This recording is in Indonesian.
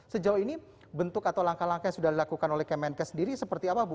sejauh ini bentuk atau langkah langkah yang sudah dilakukan oleh kemenkes sendiri seperti apa bu